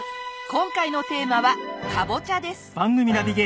今回のテーマはカボチャです。